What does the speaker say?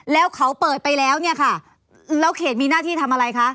แล้วเขาเปิดไปแล้วเนี่ยค่ะ